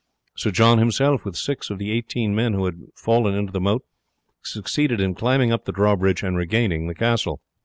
Sir John himself, with six of the eighteen men who had fallen into the moat, succeeded in climbing up the drawbridge and regaining the castle.